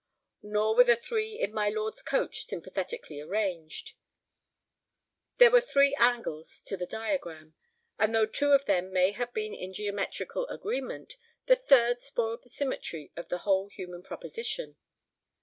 Nor were the three in my lord's coach sympathetically arranged. There were three angles to the diagram, and though two of them may have been in geometrical agreement, the third spoiled the symmetry of the whole human proposition.